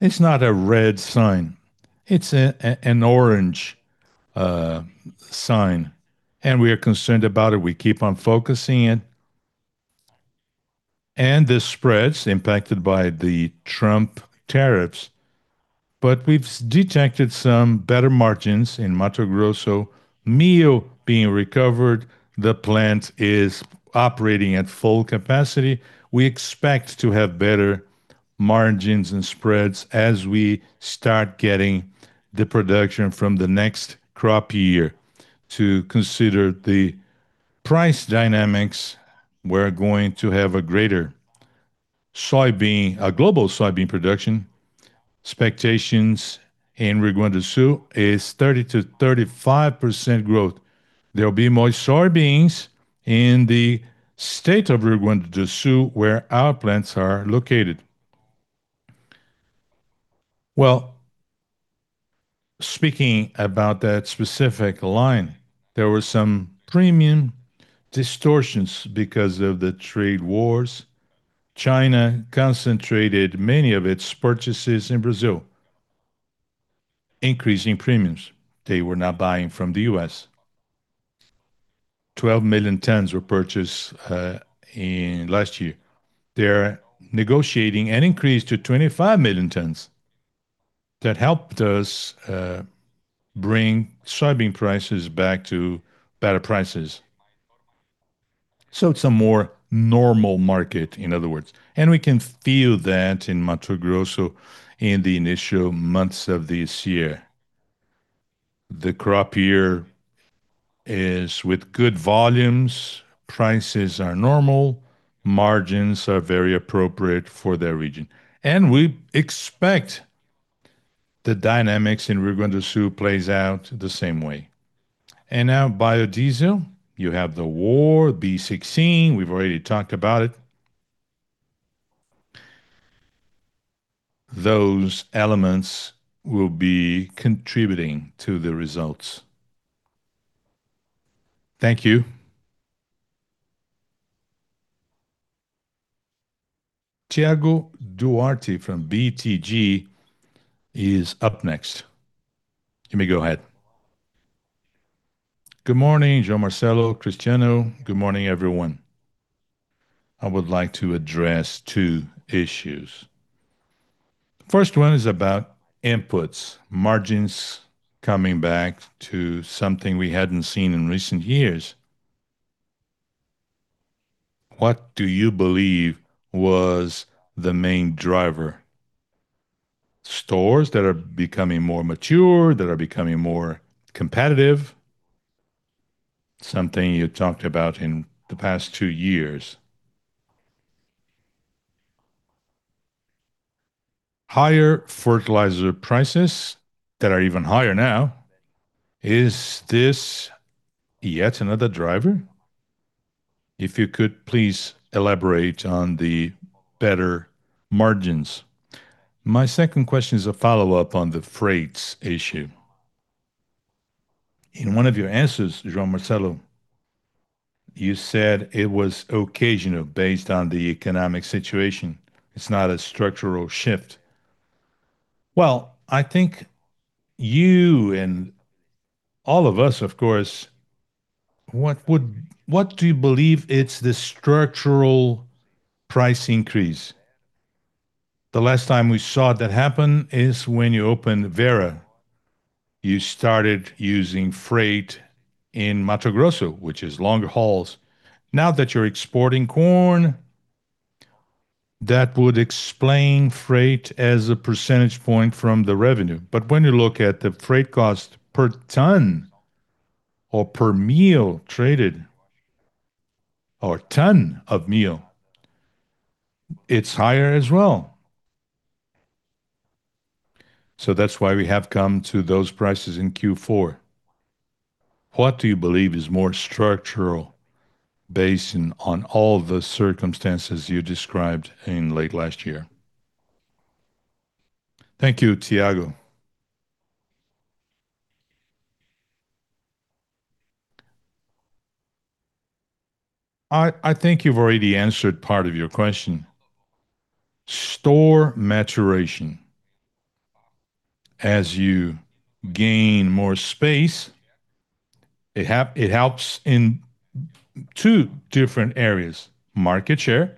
It's not a red sign. It's an orange sign, and we are concerned about it. We keep on focusing it. The spreads impacted by the Trump tariffs, but we've detected some better margins in Mato Grosso, meal being recovered, the plant is operating at full capacity. We expect to have better margins and spreads as we start getting the production from the next crop year to consider the price dynamics, we're going to have a greater global soybean production. Expectations in Rio Grande do Sul is 30%-35% growth. There will be more soybeans in the state of Rio Grande do Sul where our plants are located. Well, speaking about that specific line, there were some premium distortions because of the trade wars. China concentrated many of its purchases in Brazil, increasing premiums. They were not buying from the U.S. 12 million tons were purchased in last year. They're negotiating an increase to 25 million tons. That helped us bring soybean prices back to better prices. It's a more normal market, in other words, and we can feel that in Mato Grosso in the initial months of this year. The crop year is with good volumes, prices are normal, margins are very appropriate for their region, and we expect the dynamics in Rio Grande do Sul plays out the same way. Now biodiesel, you have the war, B16, we've already talked about it. Those elements will be contributing to the results. Thank you. Thiago Duarte from BTG is up next. You may go ahead. Good morning, João Marcelo, Cristiano. Good morning, everyone. I would like to address two issues. First one is about inputs, margins coming back to something we hadn't seen in recent years. What do you believe was the main driver? Stores that are becoming more mature, that are becoming more competitive, something you talked about in the past two years. Higher fertilizer prices that are even higher now. Is this yet another driver? If you could please elaborate on the better margins. My second question is a follow-up on the freights issue. In one of your answers, João Marcelo, you said it was occasional based on the economic situation. It's not a structural shift. I think you and all of us, of course, what do you believe it's the structural price increase? The last time we saw that happen is when you opened Vera. You started using freight in Mato Grosso, which is longer hauls. Now that you're exporting corn, that would explain freight as a percentage point from the revenue. When you look at the freight cost per ton or per meal traded or ton of meal, it's higher as well. That's why we have come to those prices in Q4. What do you believe is more structural based on all the circumstances you described in late last year? Thank you, Thiago. I think you've already answered part of your question. Store maturation. As you gain more space, it helps in two different areas. Market share,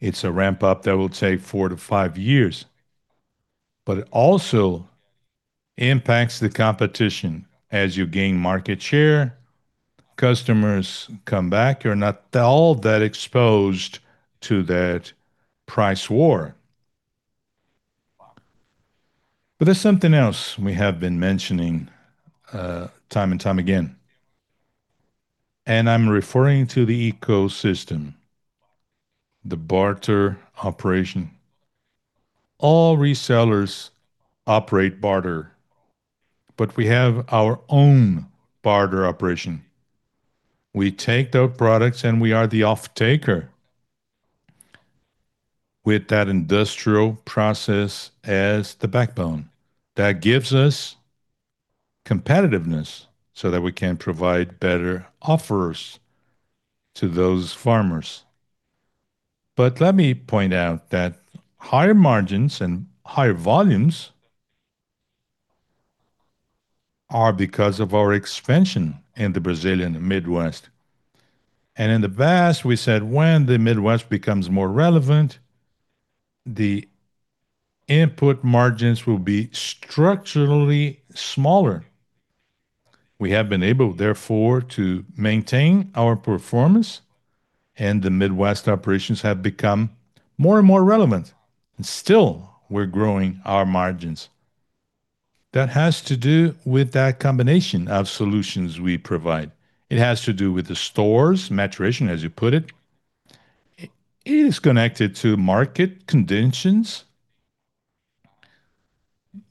it's a ramp-up that will take four to five years, but it also impacts the competition. As you gain market share, customers come back. You're not all that exposed to that price war. There's something else we have been mentioning, time and time again, and I'm referring to the ecosystem, the barter operation. All resellers operate barter, but we have our own barter operation. We take those products, and we are the off-taker with that industrial process as the backbone. That gives us competitiveness so that we can provide better offers to those farmers. Let me point out that higher margins and higher volumes are because of our expansion in the Brazilian Midwest. In the past, we said when the Midwest becomes more relevant, the input margins will be structurally smaller. We have been able, therefore, to maintain our performance, and the Midwest operations have become more and more relevant, and still we're growing our margins. That has to do with that combination of solutions we provide. It has to do with the stores' maturation, as you put it. It is connected to market conditions.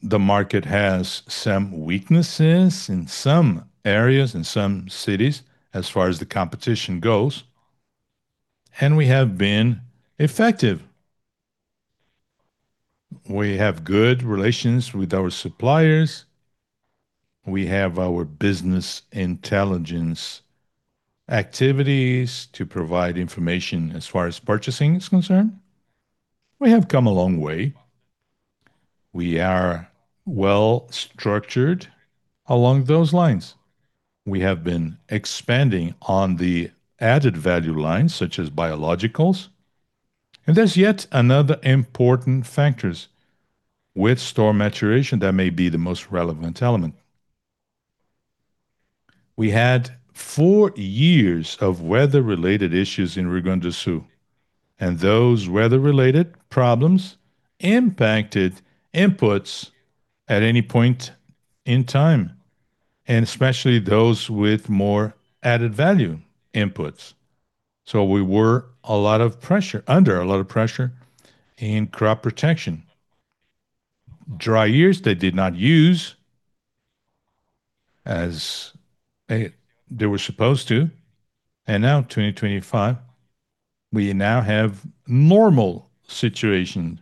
The market has some weaknesses in some areas and some cities as far as the competition goes, and we have been effective. We have good relations with our suppliers. We have our business intelligence activities to provide information as far as purchasing is concerned. We have come a long way. We are well-structured along those lines. We have been expanding on the added value lines, such as biologicals, and there's yet another important factors with store maturation that may be the most relevant element. We had four years of weather-related issues in Rio Grande do Sul, and those weather-related problems impacted inputs at any point in time, and especially those with more added value inputs. We were under a lot of pressure in crop protection. Dry years that did not use as they were supposed to, and now 2025, we now have normal situation.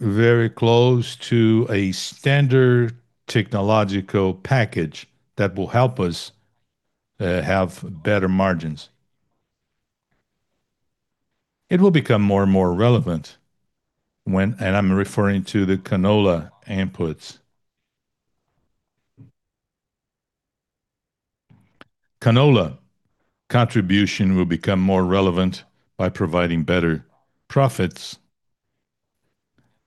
Very close to a standard technological package that will help us have better margins. It will become more and more relevant when. I'm referring to the canola inputs. Canola contribution will become more relevant by providing better profits.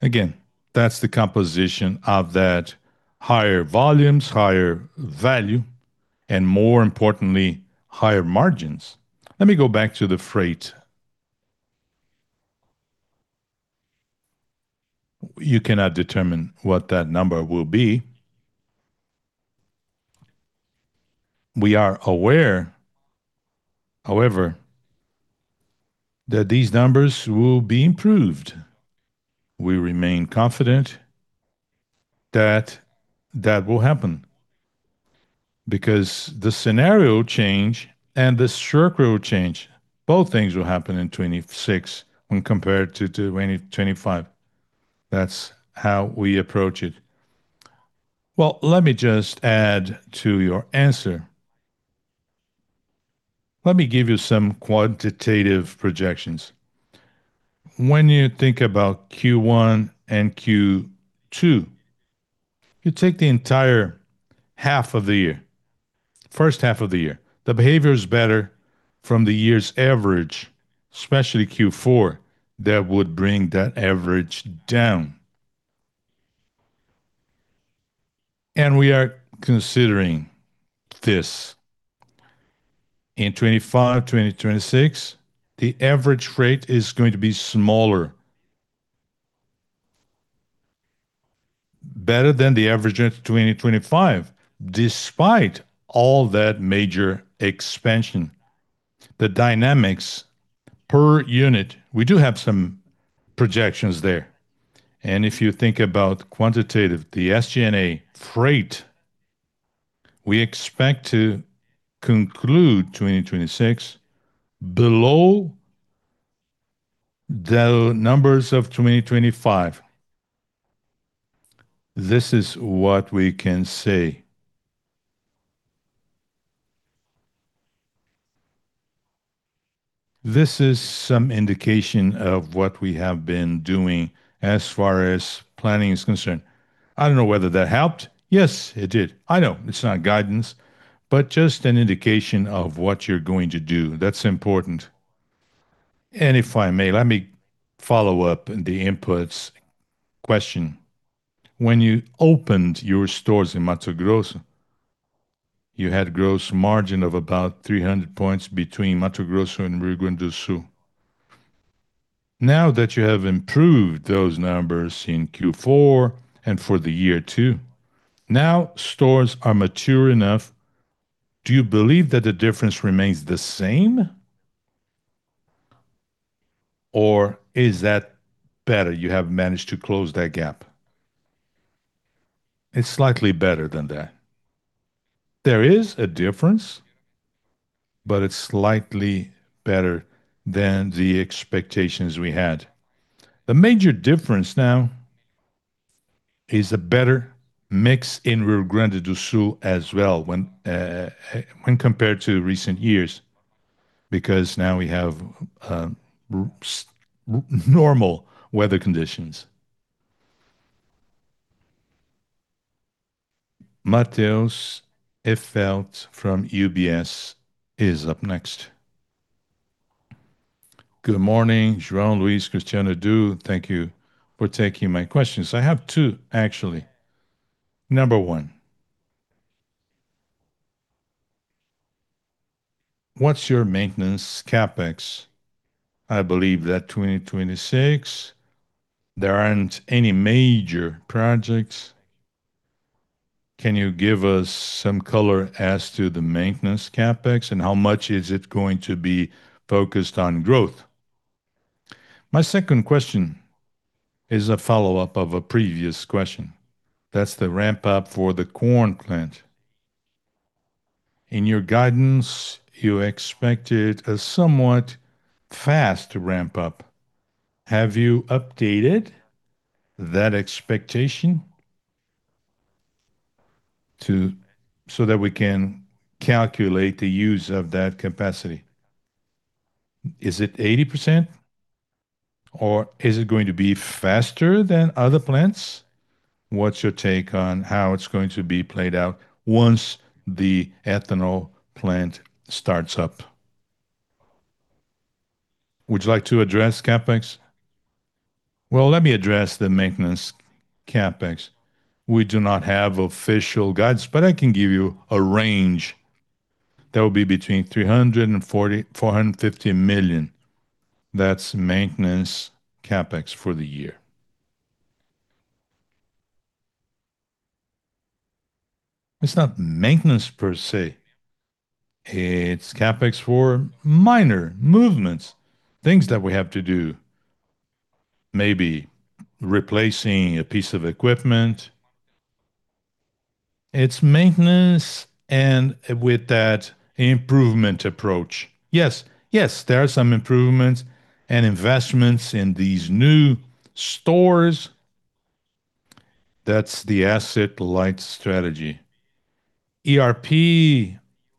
Again, that's the composition of that higher volumes, higher value, and more importantly, higher margins. Let me go back to the freight. You cannot determine what that number will be. We are aware, however, that these numbers will be improved. We remain confident that that will happen because the scenario change and the structure will change. Both things will happen in 2026 when compared to 2025. That's how we approach it. Well, let me just add to your answer. Let me give you some quantitative projections. When you think about Q1 and Q2, you take the entire first half of the year. The behavior is better from the year's average, especially Q4, that would bring that average down. We are considering this. In 2025, 2026, the average rate is going to be smaller. Better than the average in 2025, despite all that major expansion. The dynamics per unit, we do have some projections there, and if you think about quantitative, the SG&A freight, we expect to conclude 2026 below the numbers of 2025. This is what we can say. This is some indication of what we have been doing as far as planning is concerned. I don't know whether that helped. Yes, it did. I know it's not guidance, but just an indication of what you're going to do. That's important. If I may, let me follow up in the inputs question. When you opened your stores in Mato Grosso. You had gross margin of about 300 points between Mato Grosso and Rio Grande do Sul. Now that you have improved those numbers in Q4 and for the year too, now stores are mature enough, do you believe that the difference remains the same or is that better, you have managed to close that gap? It's slightly better than that. There is a difference, but it's slightly better than the expectations we had. The major difference now is a better mix in Rio Grande do Sul as well when compared to recent years, because now we have normal weather conditions. Matheus Enfeldt from UBS is up next. Good morning, João, Luiz, Cristiano, Du. Thank you for taking my questions. I have two, actually. Number one, what's your maintenance CapEx? I believe that 2026, there aren't any major projects. Can you give us some color as to the maintenance CapEx, and how much is it going to be focused on growth? My second question is a follow-up of a previous question. That's the ramp-up for the corn plant. In your guidance, you expected a somewhat fast ramp-up. Have you updated that expectation so that we can calculate the use of that capacity? Is it 80%, or is it going to be faster than other plants? What's your take on how it's going to be played out once the ethanol plant starts up? Would you like to address CapEx? Well, let me address the maintenance CapEx. We do not have official guides, but I can give you a range. That will be between 340 million and 450 million. That's maintenance CapEx for the year. It's not maintenance per se. It's CapEx for minor movements, things that we have to do, maybe replacing a piece of equipment. It's maintenance and with that improvement approach. Yes, there are some improvements and investments in these new stores. That's the asset light strategy. ERP,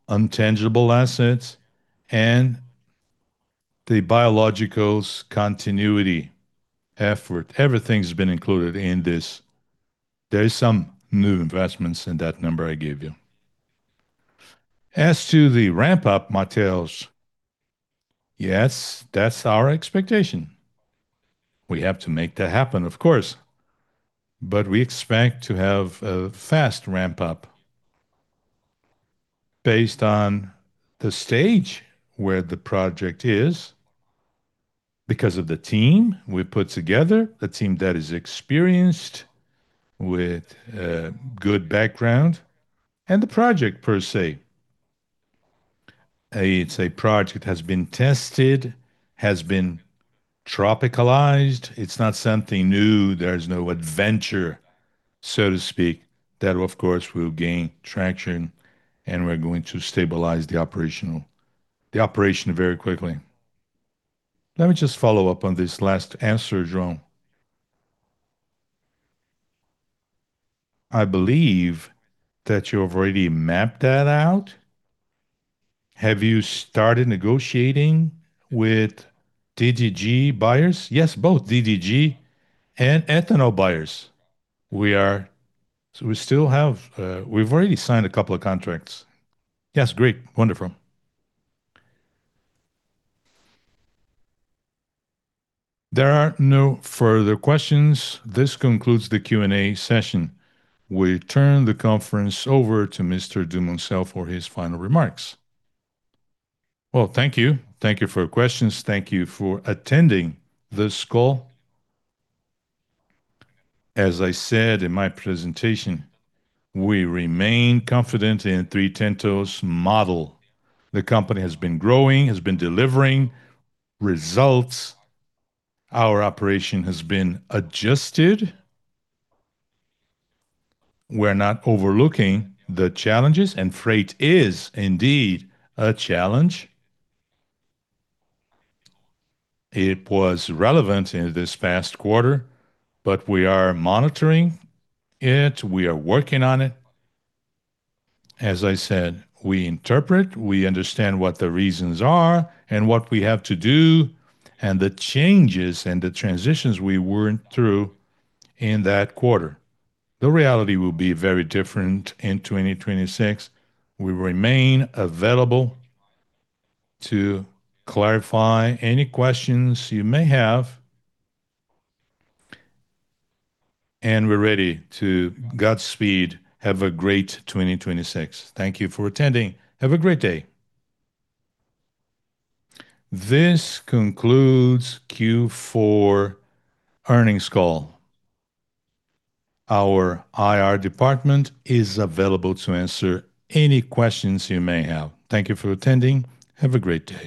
intangible assets, and the biologicals continuity effort. Everything's been included in this. There is some new investments in that number I gave you. As to the ramp-up, Matheus, yes, that's our expectation. We have to make that happen, of course, but we expect to have a fast ramp-up based on the stage where the project is because of the team we put together, a team that is experienced with a good background, and the project per se. It's a project that has been tested, has been tropicalized. It's not something new. There's no adventure, so to speak. That, of course, will gain traction. We're going to stabilize the operation very quickly. Let me just follow up on this last answer, João. I believe that you have already mapped that out. Have you started negotiating with DDG buyers? Yes, both DDG and ethanol buyers. We still have. We've already signed a couple of contracts. Yes. Great. Wonderful. There are no further questions. This concludes the Q&A session. We turn the conference over to Mr. Dumoncel for his final remarks. Well, thank you. Thank you for your questions. Thank you for attending this call. As I said in my presentation, we remain confident in Três Tentos model. The company has been growing, has been delivering results. Our operation has been adjusted. We're not overlooking the challenges. Freight is indeed a challenge. It was relevant in this past quarter. We are monitoring it. We are working on it. As I said, we interpret, we understand what the reasons are and what we have to do and the changes and the transitions we went through in that quarter. The reality will be very different in 2026. We remain available to clarify any questions you may have. We're ready to godspeed. Have a great 2026. Thank you for attending. Have a great day. This concludes Q4 earnings call. Our IR department is available to answer any questions you may have. Thank you for attending. Have a great day.